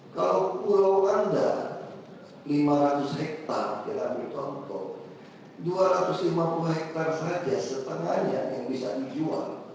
kalau purwanda lima ratus hektare jangan ditontoh dua ratus lima puluh hektare saja setengahnya yang bisa dijual